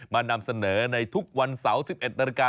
นำเสนอในทุกวันเสาร์๑๑นาฬิกา